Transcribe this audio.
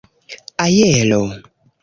aero